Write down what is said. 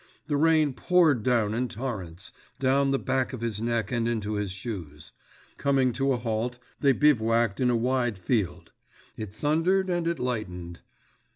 The rain poured down in torrents, down the back of his neck and into his shoes. Coming to a halt, they bivouacked in a wide field. It thundered and it lightened.